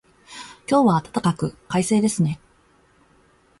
今日は暖かく、快晴ですね。